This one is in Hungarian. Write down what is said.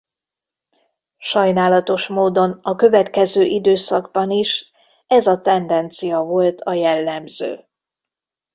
Sajnálatos módon a következő időszakban is ez a tendencia volt a jellemző.